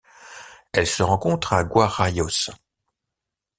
Elle se rencontre à Guarayos.